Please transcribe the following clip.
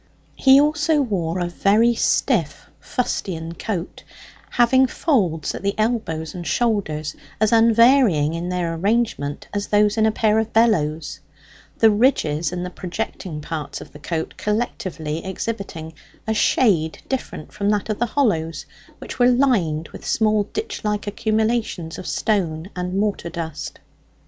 He also wore a very stiff fustian coat, having folds at the elbows and shoulders as unvarying in their arrangement as those in a pair of bellows: the ridges and the projecting parts of the coat collectively exhibiting a shade different from that of the hollows, which were lined with small ditch like accumulations of stone and mortar dust.